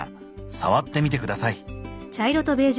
触ってみて下さい。